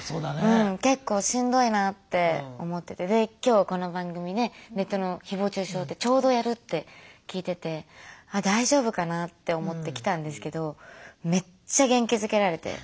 うん結構しんどいなって思ってて今日この番組でネットのひぼう中傷ってちょうどやるって聞いてて大丈夫かなって思って来たんですけどめっちゃ元気づけられて。